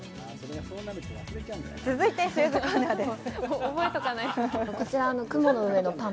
続いてシューズコーナーです。